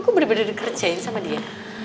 gue bener bener dikerjain sama dia